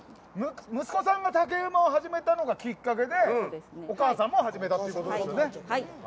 息子さんが竹馬を始めたのがきっかけでお母さんも始めたということですね。